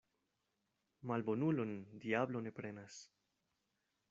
Malbonulon diablo ne prenas.